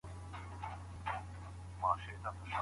د بریا ډالۍ یوازي لایقو کسانو ته نه سي سپارل کېدلای.